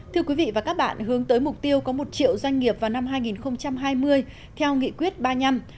thưa quý vị và các bạn hướng tới mục tiêu có một triệu doanh nghiệp vào năm hai nghìn hai mươi theo nghị quyết ba mươi năm